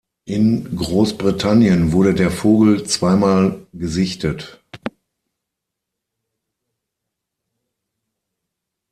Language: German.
In Großbritannien wurde der Vogel zweimal gesichtet.